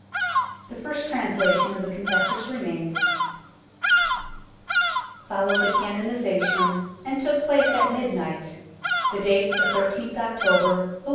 The first translation of the Confessor's remains followed the canonization, and took place at midnight, the date the I3th October 1163.